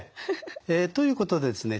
ええ。ということでですね